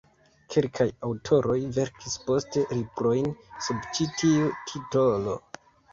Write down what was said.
Kelkaj aŭtoroj verkis poste librojn sub ĉi tiu titolo.